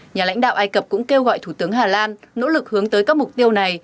nhà lãnh đạo ai cập cũng kêu gọi thủ tướng hà lan nỗ lực hướng tới các mục tiêu này